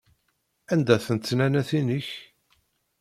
Anda-tent tnannatin-ik?